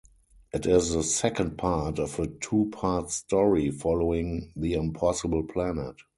It is the second part of a two-part story, following "The Impossible Planet".